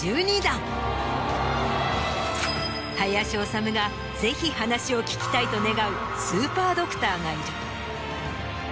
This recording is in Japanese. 林修がぜひ話を聞きたいと願うスーパードクターがいる。